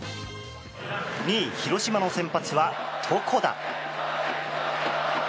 ２位、広島の先発は床田。